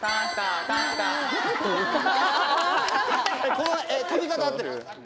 こうえ跳び方合ってる？